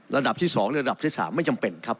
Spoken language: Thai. ระดับที่๒และระดับที่๓ไม่จำเป็นครับ